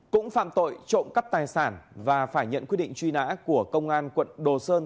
cũng phạm tội trộm cắp tài sản và phải nhận quyết định truy nã của công an quận đồ sơn